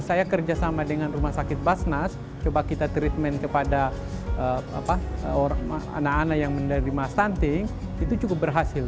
saya kerjasama dengan rumah sakit basnas coba kita treatment kepada anak anak yang menerima stunting itu cukup berhasil